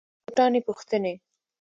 د بوټاني پوښتني